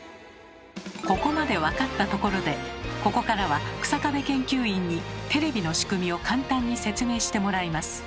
ここまで分かったところでここからは日下部研究員にテレビの仕組みを簡単に説明してもらいます。